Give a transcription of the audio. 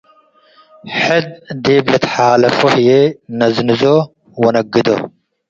ሕድ ዲብ ልትሐላለፎ ህዬ ነዝንዞ ወነግዶ ።